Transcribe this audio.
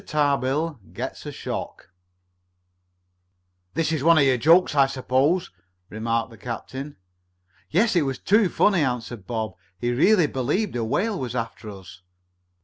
TARBILL GETS A SHOCK "This is one of your 'jokes,' I suppose," remarked the captain. "Yes. It was too funny," answered Bob. "He really believed a whale was after us."